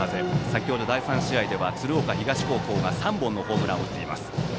先程、第３試合では鶴岡東高校が３本のホームランを打っています。